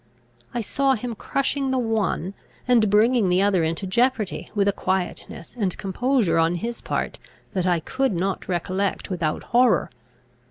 I saw him crushing the one, and bringing the other into jeopardy, with a quietness and composure on his part that I could not recollect without horror.